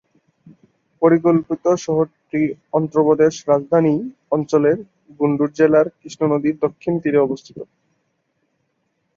পরিকল্পিত শহরটি অন্ধ্রপ্রদেশ রাজধানী অঞ্চলের গুন্টুর জেলার কৃষ্ণ নদীর দক্ষিণ তীরে অবস্থিত।